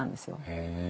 へえ。